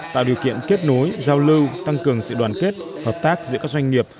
tạo điều kiện kết nối giao lưu tăng cường sự đoàn kết hợp tác giữa các doanh nghiệp